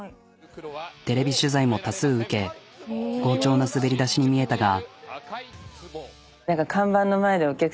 テレビ取材も多数受け好調な滑り出しに見えたが。